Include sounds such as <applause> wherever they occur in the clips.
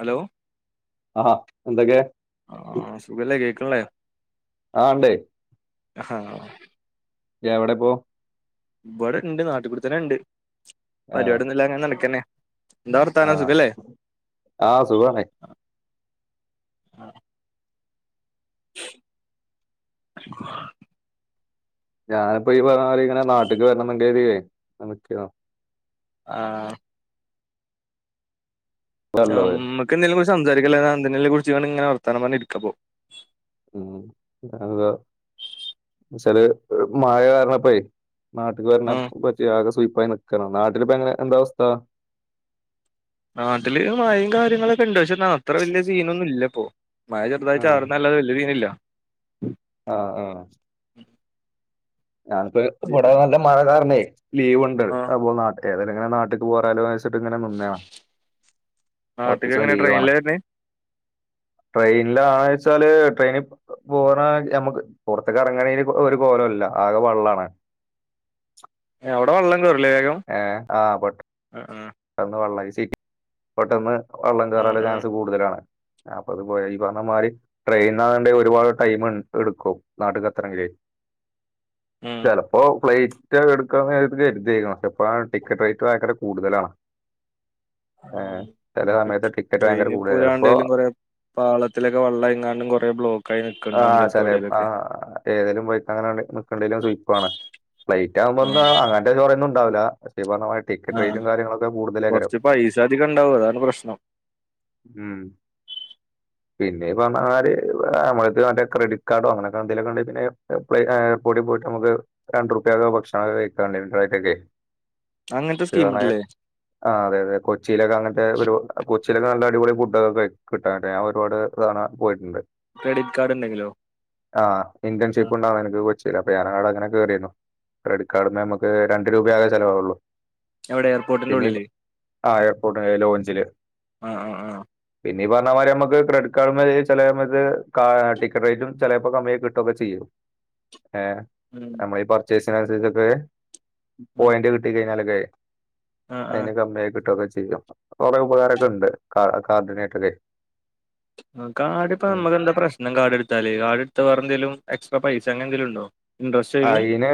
Hello ആഹ് എന്തൊക്കെ? ആഹ് സുഖല്ലേ കേക്ക്ൺലേ. ആണ്ടേ. ആ എവ്ടെപ്പോ? ഇവ്ടെണ്ട് നാട്ടികൂടെത്തന്നെണ്ട്. ഏ, പര്പാടിഒന്നുംല്ലാതങ്ങനെ നടക്കന്നെ എന്താ വർത്താനം സുഖംല്ലേ? ആഹ് സുഖവാണേ. ഞാനിപ്പ ഈ പറഞ്ഞമാതിരി ഇങ്ങനെ നാട്ടിക്ക് വരണംന്ന്കര്തിയേ നിക്കാന്നു. ആഹ് നല്ലത് നമ്മക്കെന്തെലുംകുറിച്ച് സംസാരിക്കല്ലതെ എന്തെതിനെലും കുറിച്ച് ഇങ്ങനെ വർത്താനം പറഞ്ഞിരിക്കാപ്പോ ഉം അതെ എന്താചാല് മഴ കാരണംപ്പഴെ നാട്ടിക്ക് വര്ണ ആ പറ്റിയാകെ സുയിപ്പായി നിക്കാണ് നാട്ടിലിപ്പ എങ്ങനെ എന്താ അവസ്ഥ? നാട്ടില് മഴയും കാര്യങ്ങളൊക്കെണ്ട് പഷേ അത്രവല്യ സീനൊന്നും ഇല്ലപ്പോ. മഴ ചെറുതായി ആ ചാറുംന്നല്ലാതെ വല്യരീല്ല. ആഹ് ആഹ് ഞാനിപ്പോ ഇവ്ടെ നല്ല മഴ കാരണേ ലീവ്ണ്ട് ആ അപ്പോ ന ഏതാലുംങ്ങനെ നാട്ടിക്ക് പോരാലോ ച്ചിട്ടിങ്ങനെ നിന്നേയാണ് നാട്ടിക്ക് കൊറച്ച്സം എങ്ങനെ ലീവാണ്. ട്രെയിനിലാ വരുന്നേ ട്രെയിൻലാണ്ച്ചാല് ട്രെയിനി പോണ ഞമ്മക്ക് പൊറത്തേക്ക്റങ്ങണെ ഒര് കോലംല്ല ആകെ വള്ളാണ്. അവ്ടെ വള്ളം കേറ്ല്ലേവേഗം? ഏ ആഹ് പെട്ട് ആഹ് ആഹ് അതന്ന് വള്ളായി സീറ്റ് പെട്ടെന്ന് വള്ളം ആ കേറാന്ള്ള ആ ചാൻസ് കൂട്തലാണ് അപ്പ അത് <unintelligible> ഈപറഞ്ഞ മാരി ട്രെയിന്നാണ്ടെ ഒര്പാട് ടൈം എ എട്ക്കും നാട്ടിക്ക് എത്തണങ്കിലെ ഉം ചലോ അപ്പോ ഫ്ലൈറ്റ് എട്ക്കാന്ന് കര്തി എത്തിക്ക്ണ് ഇപ്പഴ്‌ ടിക്കറ്റ് റേറ്റ് ഭയങ്കര കൂടുതലാണ്. ചില ഇന്നിപ്പോ സമയത്ത് ടിക്കറ്റ് ഭയങ്കര ട്രെയിനി കൂടുതലാണ് ചിലപ്പോ പോരാണ്ടെലും കൊറേ പാളത്തിലൊക്കെ വള്ളം ആയിങ്ങാണ്ടും കൊറേ ബ്ലോക്കായി നിക്ക്ണ്ടാവും ചെലപ്പ എവിടെലൊക്കെ. ഏതേലും വഴിക്കങ്ങനെ <unintelligible> നിക്കണ്ടിവരും സുയിപ്പാവാണ് ഫ്ലൈറ്റ് ആക്മ്പഎന്താ ആഹ് അങ്ങനത്തെ ചോറൊന്നുംണ്ടാവില്ല പഷേ ഈ പറഞ്ഞമാരി ടിക്കറ്റ്റേറ്റും കാര്യങ്ങളൊക്കെ കൂട്തലേക്കരം. പൈസധികംണ്ടാവും അതാണ് പ്രശ്നം ഉം പിന്നീപ്പർഞ്ഞമാരി നമ്മളെട്ത്ത് മറ്റേ ക്രെഡിറ്റ് കാർഡോ അങ്ങനൊക്കെ എന്തേലൊക്കെ ഉണ്ടെങ്കി പിന്നെ പൊയ് ആഹ് പൊടി പോയ്ട്ടമ്മക്ക് രണ്ടുർപ്യയക്കൊക്കെ ഭക്ഷണൊക്കെ കഴിക്കാ <unintelligible> അങ്ങനത്തെ സ്കീംണ്ട്ല്ലേ ആഹ് അതെ അതെ കൊ കൊച്ചിയിലൊക്കെ അങ്ങൻത്തെ ഒരു കൊച്ചിയിലൊക്കെ നല്ല അടിപൊളി ഫുഡൊക്കെ കിട്ടാനണ്ട് ഞാൻ ഒരുപാട് തവണ പോയിട്ടുണ്ട് ക്രെഡിറ്റ് കാർഡ് ഉണ്ടെങ്കിലോ ആഹ് ഇന്റേൺഷിപ്പ് ഉണ്ടാവനക്ക് കൊച്ചീല് അപ്പ ഞാനവടങ്ങനെ കേറീനു ക്രെഡിറ്റ് കാർഡ്ന്നമ്മക്ക് രണ്ട് രൂപേ ആകെ ചെലവുള്ളൂ എവിടെ എയർപോർട്ടിന്റുള്ളില് ആഹ് എയർപോർട്ടിന്റെ ലോഞ്ചില് ആഹ് ആഹ് ആഹ് പിന്നെ ഈ പർഞ്ഞമാരി നമ്മക്ക് ക്രെഡിറ്റ് കാർഡ്മ്മല് ചെലേ മ്മക്ക് ടിക്കറ്റ് റേറ്റും ചെലേപ്പോ കമ്മിയായി കിട്ടൊക്കെ ചെയ്യും ഏഹ് ഉം നമ്മളീ പർച്ചേസിനനു സരിച്ചൊക്കെ ഉം പോയിന്റ് കിട്ടി കഴിഞ്ഞാലൊക്കെ ആഹ് ആഹ് അയ്ന് കമ്മിയാക്കി കിട്ടൊക്കെ ചെയ്യും കൊറേ ഉപകാരൊക്കെണ്ട് ആഹ് കാർഡിനേറ്റൊക്കെ കാർഡ്പ്പ നമ്മക്കെന്താ പ്രശ്നം കാർഡ്ട്ത്താല് കാർഡ്ട്ത്ത വേറെന്തേലും എക്സ്ട്രാ പൈസ അങ്ങെന്തേലുണ്ടോ <unintelligible> പിന്നേ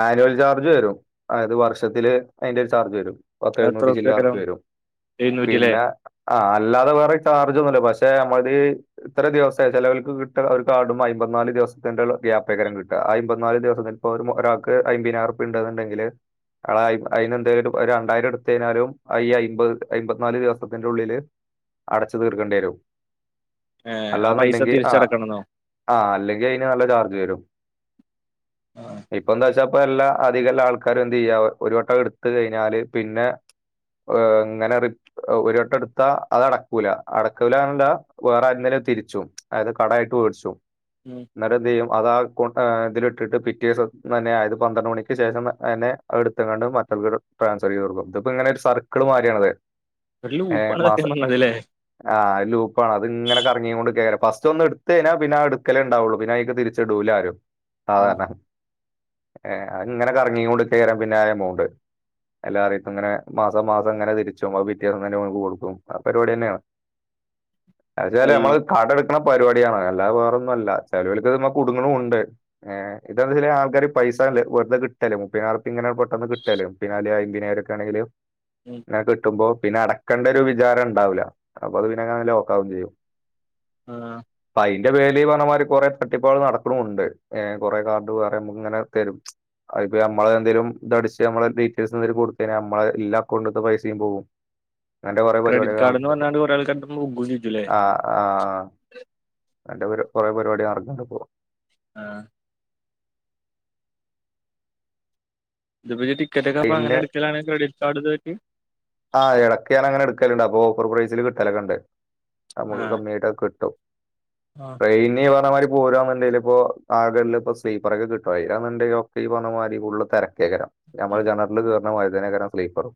ആനുവൽ ചാർജ് വരും അതായത് വർഷത്തില് അതിന്റെ ഒരു ചാർജ് വരും പത്തെഴുന്നൂറ്റി എത്രറുപ്യക്കരം ചില്ലാർപ്യ വരും എഴുന്നൂറ്റില്ലേ പിന്നെ ആഹ് അല്ലാതെ വേറെ ചാർജൊന്നുല്ല പക്ഷെ നമ്മൾതീ ത്ര ദിവസായി ചേലോൽക്ക് കിട്ട ഒരു കാർഡുമ്മെ അയ്മ്പത്ത് നാല് ദിവസത്തിന്റെ ഗ്യാപ്പേക്കാരം കിട്ട ആഹ് അയ്മ്പ നാല് ദിവസത്തിന്പ്പ ഒരു ഒരാൾക്ക് അയിമ്പീനായ്ർപ്യ ഉണ്ട്ന്ന് ഉണ്ടെങ്കില് ആഹ് അയ്ന്നെന്തേലും ഒരണ്ടായിരട്ത്തയ്ഞ്ഞാലും ഈ അയ്മ്പത് അയ്മ്പപത്തി നാല് ദിവസത്തിന്റുള്ളില് അടച്ചു തീർക്കണ്ടിയേരും ഏഹ് ആഹ് പൈസ തിരിച്ചടക്കണെന്നോ ആഹ് അല്ലെങ്കി അയ്ന് നല്ല ചാർജ് വരും ആഹ് ഇപ്പന്താച്ചാപ്പല്ലാ അധികല്ലാ ആൾക്കാരും എന്തയ്യാ ഒരു വട്ടം എടുത്ത് കഴിഞ്ഞാല് പിന്നെ ഇങ്ങനെ റി ഒരു വട്ടട്ത്താ അത് അടക്കൂല അടക്കൂലന്നല്ല വേറാരെട്ത്ത്ന്നേലും തിരിച്ചും അതായത് കടായ്ട്ട് വേട്ച്ചും ഉം ന്നട്ടെന്തെയ്യും അതാ കൊ തിലിട്ടിട്ട് പിറ്റേ ദിവസം തന്നെ അതായത് പന്ത്രണ്ട് മണിക്ക് ശേഷം തന്നെ അത്ട്ത്ത്കാണ്ട് മറ്റുള്ള ട്രൻസ്ഫർ ചെയ്തൊട്ക്കും ഇത്പ്പോങ്ങനെ ഒരു സർക്ക്‌ള് മാരിയാണത് ഒരു ലൂപ്പാണ് സത്യം പർഞ്ഞാല് ലേ ആഹ് ലൂപ്പാണ് അത്ങ്ങനെ കറങ്ങീകോണ്ട്ക്കേക്കാരം ഫസ്റ്റ് ഒന്ന്ട്ത്തയ്ഞ്ഞാ പിന്നാ ഇട്ക്കലേണ്ടാവുള്ളൂ പിന്നയ്ക്ക് തിരിച്ചു ച്ച്ടൂലാരും ആഹ് സാധാരണ ഏഹ് അത്ങ്ങനെ കറങ്ങീകോണ്ട്ക്കേക്കാരം പിന്നാ എമൗണ്ട് എല്ലാരീക്കും ഇങ്ങനെ മാസം മാസം ഇങ്ങനെ തിരിച്ചും അത് പിറ്റേന്നെ ഒർക്ക്‌ കൊടുക്കും ആഹ് പരിപാടി തന്നേണ് ഏതായാലും കൈ നമ്മള് കട്ക്ക്‌ണ പരിപാടിയാണ് അല്ലാതെ വേറെന്നു അല്ല ചേലോൽക്ക്ത്മ്മെ കുടുങ്ങണുംണ്ട് ഏഹ് ഇതെന്താച്ചാല് ആൾക്കാര് പൈസ കണ്ട് വെർതെ കിട്ടല്ലെ മുപ്പീനായിരുർ ക്കെങ്ങനെ പെട്ടന്ന് കിട്ടല്ലേ മുപ്പീനായിരം അല്ലെ അയ്മ്പീനായ്രൊക്കാണെങ്കില് ഉം ങ്ങനെ കിട്ടുമ്പോ പിന്നടക്കണ്ടൊരു വിചാരണ്ടാവൂല അപ്പൊത് പിന്നങ്ങനെ ലോക്കാവും ചെയ്യും ആഹ് പ്പയ്ന്റെ പേരിലീ പർഞ്ഞ മാതിരി കൊറേ തട്ടിപ്പാള് നടക്കുണൂണ്ട് ഏഹ് കൊറേ കാർഡ് വേറെ നമുക്ക്ങ്ങനെ തരും അയ്പ്പ ഞമ്മളെ എന്തെലും ദടിച്ച് നമ്മളെ ഡീറ്റെയിൽസ് എന്തേലും കൊടുത്തയ്ഞ്ഞാ നമ്മളെ എല്ല അക്കൗണ്ട്ത്തെ പൈസിം പോവും ങ്ങൻത്തെ കൊറേ ക്രെഡിറ്റ് പരിപാടിയൊക്കെ കാർഡ്ന്ന് നടക്ക്ണ്ട്പ്പോ പറഞ്ഞാണ്ട് കുറെ ആൾക്കാരടുത്ത് മുക്കും ചെയ്യൂല്ലേ ആഹ് ആഹ് അങ്ങനത്തെ കൊറേ പരിപാടി നടക്ക്‌ണ്ട്പ്പോ ആഹ് ഇത്പ്പം ഇജ്ജ് ടിക്കറ്റൊക്കെ അപ്പ അങ്ങന പിന്നെ എടുക്കലാണ് ക്രെഡിറ്റ് കാർഡ് വെച്ച് ആഹ് ഇടക് ങ്ങനെ എടുക്കലുണ്ട് അപ്പോ ഓഫർ പ്രൈസിൽ കിട്ടലൊക്കെണ്ട് നമുക്ക് ആഹ് കമ്മീയായിട്ട് ഒക്കെ കിട്ടും ആഹ് ട്രെയിൻ ഇയ്യ് പറഞ്ഞമാതിരി പോരാെന്നുണ്ടെില് ഇപ്പോ ആകെ ഇല്ല ഇപ്പോ സ്ലീപ്പറൊക്കെ കിട്ടയി <unintelligible> പറഞ്ഞ മാതിരി ഫുള് തിരക്കേക്കരാം നമ്മൾ ജനറല് കയറുന്ന മാരി ആയികാരം സ്ലീപ്പറും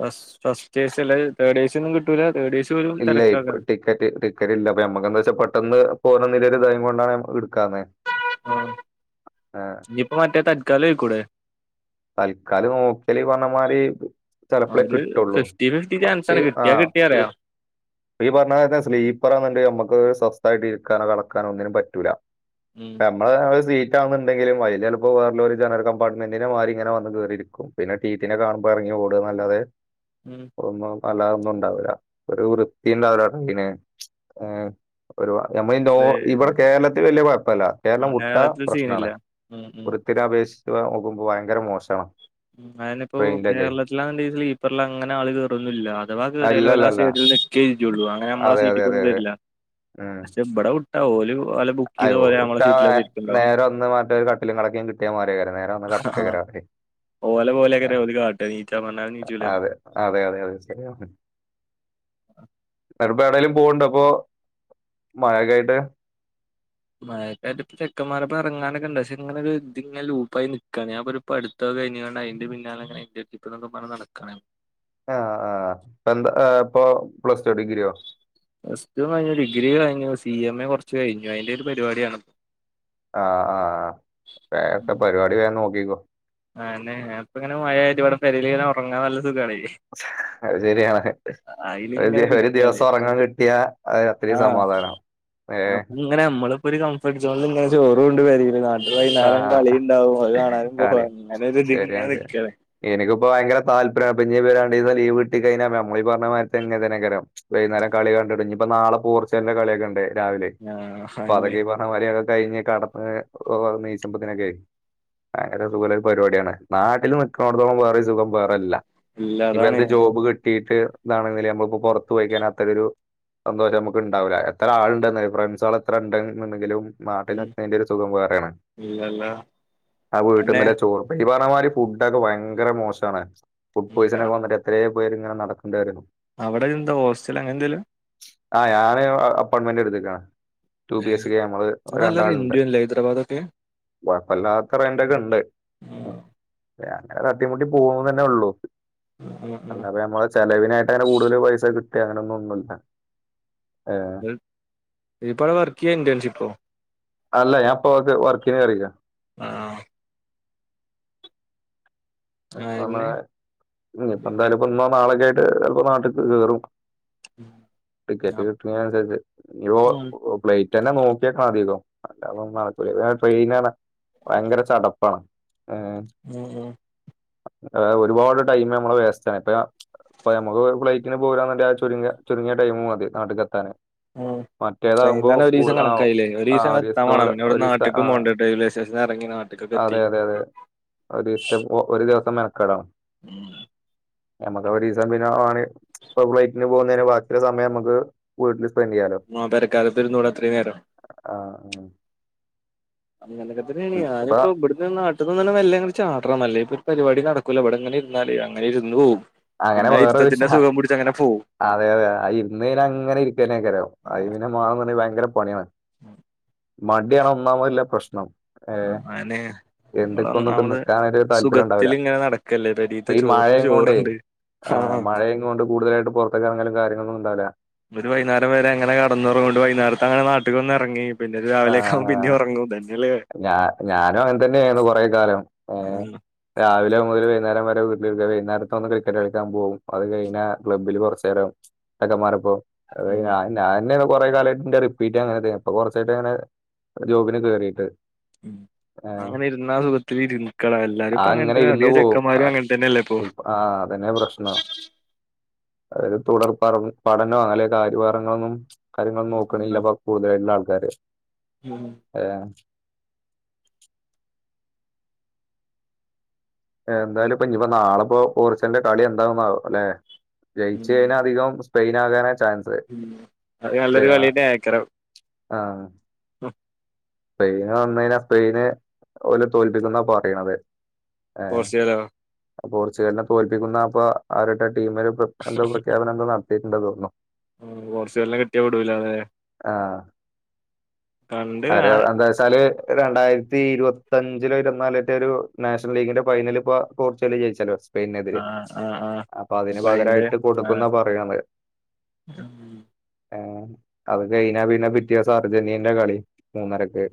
ഫസ് ഫസ്റ്റ്യ്ഷല് തേർടേശലും ക് ട്ടൂലാ ലേഡീസ് <unintelligible> ഇല്ലൈ ഇപ്പൊ ടിക് ക്കറ്റ് ടിക്കറ്റില്ല അപ്പം ഞമ്മക്ക് എന്താ വെച്ചാ പെട്ടെന്ന് പോണംതീല് ഒരു ടൈം കൊണ്ടാണ് എടുക്കാന്നേ <inaudible> ഇഞ്ഞിപ്പം മറ്റെ തല്ക്കാല് യികൂടെ തല്ക്കാല് നോക്കിയാല് ഈ പറഞ്ഞ മാരീ ആ ചെലപ്പളെ ഒരു കിട്ടുള്ളൂ ഫിഫ്റ്റി ഫിഫ്റ്റി ചാൻസ് ഒക്കെ ആണ് കിട്ടിയാ ആഹ് കിട്ടിയ പറയാ പീ പറഞ്ഞഓലെ സ്ലീപ്പറാന്ന്ണ്ടെ നമ്മുക്ക് സ്വസ്ഥയിട്ട് ഇരിക്കാനോ കടക്കാനോ ഒന്നിനും പറ്റൂല ഉം നമ്മള് ഒരു സീറ്റ് ആകുന്നുണ്ടെങ്കിലും ആയില് ചെലപ്പം വേറല്ലോരു ജനറൽ കമ്പാർ്മെന്റിന് മാരി ഇങ്ങനെ വന്ന് കയറിയിരിക്കും പിന്നെടീറ്റിനെ കാണുമ്പോ ഇറങ്ങി ഓടന്നല്ലാതെ ഉം ഒന്നും അല്ലാതെ ഒന്നും ഉണ്ടാവില്ല ഒരു വൃത്തിണ്ടാവൂല ട്രെയിന് ഏഹ് ഒരു ഞമ്മളെ നോ ശരി. ഇവിടെ കേരളത്തിൽ വല്യ കുഴപ്പല്ല കേരളം വിട്ടാൽ മലയാളത്തിൽ സീനില്ല പ്രശ്നാണ് ഉം ഉം വൃത്തിനെ അപേക്ഷിച്ച് നോകുമ്പോ ഭയങ്കര മോശണ് മം അഅന്നെ പ്പോ കേരളത്തിലാണ്ടി സ്ലീപ്പറിൽ അങ്ങനെ ആൾ കയറന്നില്ല അഥവാ കയറിയാൽ ഓല് ആ അല്ലല്ലല്ല സൈഡ് നിക് ക്കെജൊള്ളു അങ്ങനെ നമ്മളെ അതെ അതെ അതെ സീറ്റിക്കൊന്നും വരില്ല പക്ഷെ ഇവിടെ വിട്ട ഓല് ഒലെ അയി ഓല് <unintelligible> നേരെവന്ന് മറ്റെ കട്ടില കടക്ക കിട്ടിയ മാരി ആയികാരം നേരെ വന്ന് കടക്കൈകാരം അവിടേം ഒലെ പോലൈക്കാരം ഓല് കാട്ട നിച്ചാൻ പറഞ്ഞാലും നീച്ചൂല അതെ അതെ അതെ ശരിയാണ് എന്നിട്ട്പോ ഏടെലും പോവണ്ട് പ്പൊ മഴക്കായിട്ട് മയക്കായിട്ട്പ്പ ചെക്കന്മാരപ്പൊ ഇറങ്ങാനക്കണ്ട് പക്ഷെ ഇങ്ങനെ ഒരു ഇതിങ്ങനെ ലൂപ്പായി നിക്കാണ് ഞാപൊരു, പ്പടുത്തോ കഴിഞ്ആണ്ട് അയ്ന്റെ പിന്നാലെങ്ങനെ <unintelligible> നടക്കാണ് ആഹ് ആഹ് പ്പംന്ത്‌ ആഹ് പ്പൊ പ്ലസ് ടു ഡിഗ്രിയോ പ്ലസ് ടു കഴിഞ്ഞു ഡിഗ്രി കയിഞ്ഞു സി എം എ കുറച്ച്ഴഞ്ഞു അയ്ന്റെറ ഒരു പരിപാടിയാണ് ഇപ്പോ ആഹ് ആഹ് വേ അടുത്ത പരിപാടി വേ നോക്കിക്കോ അഅന്നെ ഞാൻ പ്പങ്ങനെ മഴ ആയിട്ട് വടെ പെരീല് ഇങ്ങനെ ഉറങ്ങാൻ നല്ല സുഖണേ അഹ് ശരിയാണ് ഒരു അയിലിങ്ങനെ ഒരു നിക്കാണ് ദിവസം ഉറങ്ങാൻ കിട്ടിയാ അഹ് അത്രയും സമാധാനം ഏഹ് ങ്ങന അമ്മളിപ്പോരു കൻഫർട്ട് ജൊണ്ല് ങ്ങനെ ചോറുണ്ട് പെരീല് നാ ഇനി വൈകുന്നേരം കളിയുണ്ടാവും അത് കാണാനും പോവാ അങ്ങനെ ഒരു ഇതിൽ ഇങ്ങനെ ശരിയാതെ നിക്കാണ് എനിക്കിപ്പ ഭയങ്കര താല്പര്യംഅപ്പ ഞ് പൊ രണ്ടീസം ലീവ് ട്ടി കഴിഞ്ഞ മമ്മി പറഞ്ഞ മാരതെന്നെ തെനെ ക്കരാം വൈകുന്നേരം കളി കണ്ടിട്ട് ഇഞ്ഞി പ്പൊ നാളെ പോർച്ചുഗൽ കളിയൊക്കെണ്ട് രാവിലെ ആഹ് അപ്പൊ അതെന്നെ അതൊക്കെപ ആമാര്യോകെ കഴിഞ്ഞ് കട <unintelligible> നീച്ചുമ്പത്തനൊക്കെ ഭയങ്കര സുഖല്ല ഒരു പരിപാടിയാണ് നാട്ടിൽ നിൽക്കുന്നടത്തോളം വേറെ സുഖം വേറെല്ല ഇല്ല ഇപ്പ അതാണ് എന്ത ജോബ് കിട്ടിയിട്ട് ഇതാണെന്നിലെ അമ്മഹ് പൊ പുറത്തു പോയ്ക്കാണെ അത്തരരു സന്തോഷം നമുക്ക് ഉണ്ടാവില്ല എത്ര ആളുണ്ട് ഫ്രണ്ട്സുകൾ എത്ര ഉണ്ട്ന്ന്ങ്കിലും നാട്ടിലെ ഇല്ല എത്തെയ്ന്റൊരു സുഖം വേറെയാണ് ഇല്ല ല്ല ആഹ് വീട്ടിൽന്ന്ലെ ചോറ് <unintelligible> പറഞ്ഞമാരി ഫുഡൊക്കെ ഭയങ്കര മോശണ് ഫുഡ് എന്താ പോയിസൺ ഒക്കെ വന്നിട്ട് എത്രയോ പേര് ഇങ്ങനെ നടക്കണ്ട് അറിയോ അവിടെ എന്താ ഹോസ്റ്റൽ അങ്ങനന്തേലും ആഹ് ഞാന് അപ്പാർട്ട്മെന്റ് എടുത്തിക്ക ടു ബി എസ് സി നമ്മള് രണ്ടാളുണ്ട് ഹൈദരാബാദക്കെ കുഴപ്പല്ലാത്തെ റെൻ്റെക്കെ ഉണ്ട് ആഹ് അങ്ങന തട്ടിമുട്ടി പോന്ന് തന്നെ ഉള്ളൂ ആഹ് ആഹ്. അല്ലാ നമ്മ ചെലവിനായിട്ട് അങ്ങനെ കൂടുതൽ പൈസ കിട്ടി അങ്ങനൊന്നും ഒന്നുമില്ല ഇപടെ വർക്ക് ചെയ്യാ ഇന്റേൺഷിപ്പ അല്ല ഞപ്പൊക്ക വർക്കിന്ക്കറിക ആഹ് പറാ ആന്നെ ഇപ്പ പിന്നെ എന്തായാലും ഇപ്പ ഇനാളൊക്കെ ആയിട്ട് ചപ്പോ നാട്ടിൽക്ക് കേറും ടിക്കറ്റ് കിട്ടനുസരിച്ച് ഫ്ലൈറ്റ് ന്നെ നോക്കിയേക്കാ മധതിതൊ അല്ലന്നും നടക്ക ട്രെയിന ഭയങ്കര ചടപ്പാണ് ഏഹ് ഉം ഉം ഒരുപാട് ടൈം നമ്മള് വേസ്റ്റ്ണ് ഇപ്പ അപ്പഞമുക്ക് ഫ്ലൈറ്റിന് പോരാന്ന ചു ചുരുങ്ങിയ ടൈം മതി നട്ടക്ക്ത്താന് ആഹ് ട്രയിനൽ ഒരു ദിവസം ആഹ് കണക്കായില്ലേ ഒരു ദിവസ ആഹ് എത്താ വേണം ഒരീസത്തോലെ പിന്ന ഇവി ഒരീസത്തെ നാിലേും ആഹ് പോകണ്ട്രയിവേ സ്റ്റേഷ ഇറങ്ങി നട്ട അതെ അതെ അതെ ഒരു ഒരു ദിവസം മെനക്കാടാം ഉം നമ്മുക്ക് ഒരീസ പിന്നെ ഇ ഫ്ലൈറ്റിന് പോകുന്നതിന് ബാക്ക സമയം നമുക്ക് വീട്ടില് സ്പെൻഡറ് ചെയ്യാലോ പെരക്കാലത്ത് ഇരുന്നൂടെ അത്രയും നേരം ആഹ് അനക്ക ഇപ്പൊ <unintelligible> നാട്ടിൽ നിന്നെ വല്ല അങ്ങനെ ചാടണം അല്ലേ ഇപ്പൊ ഒരു പരിപാടി നടക്കൂല്ല അവിടെങ്ങനെ ഇരുന്നാലേ അങ്ങനെ ഇരുന്ന് പോകും അങ്ങനെ പിന്നെ വേറെ വിഷ അരിരുത്തത്തിന്റെ സുഖം കുടിച്ച് അങ്ങനെ പോകവും അതെ അതെ ആ ഇരുന്നതിന് അങ്ങനെ ഇരിക്കാനേക്ക അറിയോ അത് പിന്നെ മോന്ന് പറഞ്ഞൽ ഭയങ്കര പണിയാണ് <inaudible> മടിയാണ് ഒന്നാമത്ത പ്രശ്നം ആഹ് അതനെ നിങ്ങൾ എന്തൊക്കെ ഒന്നൊക്കെ ഒന്നാമത് നിക്കാനൊരു താല്പര്യം സുഖത്തി ഉണ്ടാവില്ല ഇങ്ങനെ നടക്ക ല്ലേത്ത ചോറിൽ ചോറുണ്ട് ആഹ് മഴയയും കൊണ്ട് കൂടുതായിട്ട് പുറത്തേക്ക ഇറങ്ങും കാര്ങ്ങളന്നും ഉണ്ടാവില്ല ഒരു വൈകേരം വരെ അങ്ങനെ കടന്നറങ്ങിണ്ട് വൈകുന്നര അങ്ങനെ നാട്ടിൽ കൊന്ന് ഇറങ്ങുകയും ആഹ് ആഹ് ഞ ഞാനും അന്ന്തന്നെയായിരുന്നു കൊറെ കാലം ഏഹ് രാവിലെ മുതൽ വൈകേരം വരെ വീട്ടില വകുന്നേരത്ത ഒന്ന് ക്രിക്കറ്റ് കളിക്കാൻ പോകും അത് കഴിഞ്ഞ ക്ലബ്ബില് കുറച്ചു നേരം ചക്കന്മാരപ്പോ ഉം ഞാൻ കുറെ കാലമായിട്ട്ന്റെ റിപ്പീറ്റ് അങ്ങനെ അപ്പൊ കുറച്ചായിട്ട് അങ്ങനെ ജോബിന് കേയറിയിട്ട് ഉം അങ്ങനെ ഇരുന്ന സുഖത്തിൽ ഇരിക്കക്കളാം എല്ലാരുംപ്പൊ അങ്ങനെ തന്നെ അിക ചെന്മാരും അങ്ങനെ തന്നെയല്ല ഇപ്പൊ ആഹ് അതന്നെ പ്രശ്നോ അതത് തുടർ പഠനം അങ്ങനെ കാര്യഭാരങ്ങളൊന്നും കാര്യങ്ങൾ നോക്കണല്ലപ്പ കൂടുതലായിട്ടുള്ള ആൾക്കാര് ഉം ഏഹ് എന്തായാല ഇപ്പ ഇനിപ്പ നാളെപ്പോ പോർച്ചന്റെ കളി എന്താവുന്ന അല്ലെ ജയിച്ച ഉം കഴിഞ്ഞാ അധികം സ്പെൻ ആകാനാണ് ചാൻസ് ഉം അത് നല്ലൊരു കളിയുടെ അയക്കറ ആഹ് <unintelligible> സ്പെയിന് വന്ന കഴിഞ്ഞാ സ്പെയിന് പോല തോല്പ്പിക്കുന്നാ പറയണത് ഏഹ് പോർച്ചുഗലോ പോർച്ചുഗലിനെ തോൽപ്പിക്കുന്ന അപ്പൊ അവരുടെ ടീമില് എന്തോ പ്രഖ്യാപനം എന്താ നടത്തിയിട്ടുണ്ടോ തോന്നോ പോർച്ചുഗൽനെ കിട്ടിയാ വിടുലലേ? ആഹ് കണ്ട് ആ കാണാ എന്താച്ചാല് രണ്ടായിര ത്തി ഇരുപത്തഞ്ചിലോ ഇരുപ നാല് ലേറ്റ ഒരു നാഷണൽ ലീഗിന്റെ ഫൈനൽ ഇപ്പ പോർച്ച്ഗൽ ജയിച്ചാലോ സ്പെയ്ൻ നെതിരെ ആഹ് ആഹ് ആഹ് അപ്പൊ അതിന് അയിന്റെ പകരമായിട്ട് ആഹ് കൊടുക്കുന്ന പറയണത് ആ അത് കഴിഞ്ഞ പിന്നെ പിറ്റേസം അർജന്റീനന്റെ കളി മൂന്നരക്ക്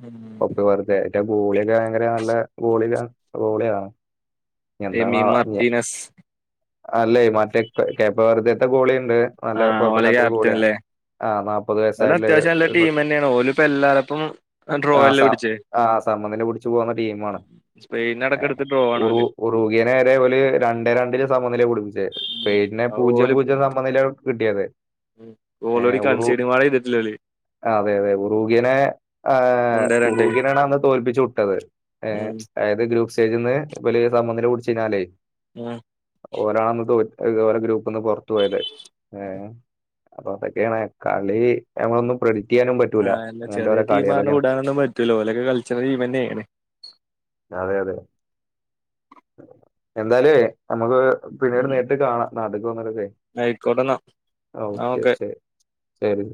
ഒപ്പി വെറുത റ്റ ഗോളിയൊക്കെ ഭയങ്കര നല്ല ഗോളി ഗോളിയ എമി എന്താണാവോ മാർട്ടീനസ് അല്ലേ മറ്റേ കേപ്പ വെറുതെത്തെ ഗോളിണ്ട്. നല്ല ആഹ് ഓലെ കുഴപ്പല്ലാത്തൊരു ക്യാപ്റ്റൻ ഗോളിയാ അല്ലേ ആഹ് നാല്പ്പത് വയസ്സായിട്ടുള്ള ങ്ങനെണ് ഓല് ഇപ്പോ എല്ലാരപ്പും ആ സ ആ സമനില പിടിച്ച് പോകുന്ന ടീമാണ് സ്പെയിനടക്കെടുതിട്ട്. ഉറു ഉറുകിയനെ വരെ ഓല് രണ്ടേ രണ്ടിന് സമന നില പിടിപ്പിച്ച. സ്പെയ്നെ അത് പൂജ്യം ഓല് പൂജ്യം സമനില കിട്ടിയത്. ഏ ഓൾറെഡി ഉറു കൺസീഡും കൂടെ ചെയ്തിട്ടില്ല ഓല് ആ അതെ അതെ ഉറുഗനെ ആ രണ്ടേ രണ്ടേ ഉറൂഖിയനണന്ന് തോൽപ്പിച്ചു വിട്ടത് ഏ.. ഉം അതായത് ഗ്രൂപ്പ് സ്റ്റേജ്ന്ന് ഇവല് സമനില പുടിച്ച് കാണ്ടേ ഉം ഓരാണന്ന് തോറ്റ് ഓരോ ഗ്രൂപ്പ്ന്ന് പുറത്തു പോയത് ഏ അപ്പൊ അതൊക്കെയാണ് കളി ഞമ്മളൊന്നും പ്രെഡിറ്റ് ചെയ്യാനും പറ്റൂല അങ്ങനത്തെര ടീം ആണ് പറഞ്ഞ് വിടാനൊന്നും പറ്റൂല ഓലക്കെ കളിച്ചണ ടീംമെന്നേനെ. അതെ അതെ എന്താലും നമുക്ക് പിന്നീട് നേരിട്ട് കാണാം നാട്ട്ക്ക് വന്നട്ടൊക്കെ. ആയിക്കോട്ടെന്നാ ഓക്കെ ശരി ശരി